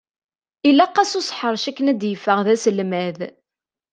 Ilaq-as useḥṛec akken ad d-yeffeɣ d aselmad!